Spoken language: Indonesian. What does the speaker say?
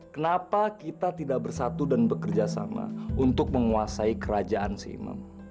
kenapa kita tidak bersatu dan bekerja sama untuk menguasai kerajaan sih imam